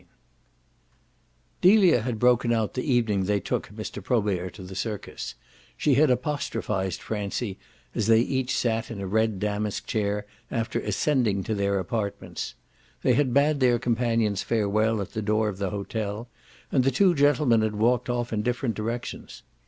IV Delia had broken out the evening they took Mr. Probert to the circus; she had apostrophised Francie as they each sat in a red damask chair after ascending to their apartments. They had bade their companions farewell at the door of the hotel and the two gentlemen had walked off in different directions.